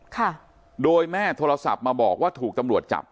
ค่ะโดยแม่โทรศัพท์มาบอกว่าถูกตำรวจจับ